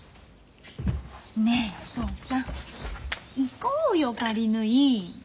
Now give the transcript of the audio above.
ねえお父さん行こうよ仮縫い。